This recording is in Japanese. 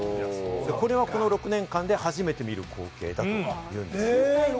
これはこの６年間で初めて見る光景だと言うんですよ。